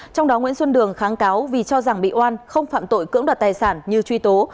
trong đó nguyễn xuân đường kháng cáo vì cho rằng bị oan không phạm tội cưỡng đoạt tài sản như truy tố